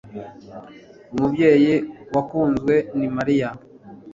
umubyeyi wakunzwe ni mariya